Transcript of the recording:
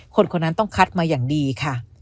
คนคนนั้นต้องคัดมาอย่างดีค่ะ